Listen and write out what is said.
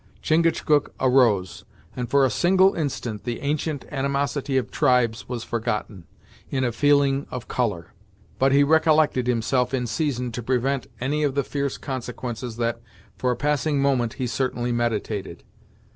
Chingachgook arose, and for a single instant the ancient animosity of tribes was forgotten, in a feeling of colour; but he recollected himself in season to prevent any of the fierce consequences that, for a passing moment, he certainly meditated.